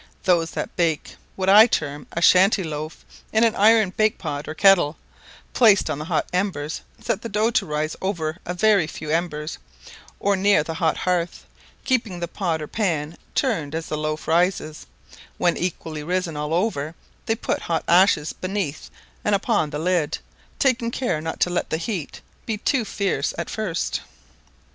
Those that bake what I term a shanty loaf, in an iron bake pot, or kettle, placed on the hot embers, set the dough to rise over a very few embers, or near the hot hearth, keeping the pot or pan turned as the loaf rises; when equally risen all over they put hot ashes beneath and upon the lid, taking care not to let the heat be too fierce at first.